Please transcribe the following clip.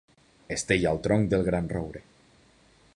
Estella el tronc del gran roure.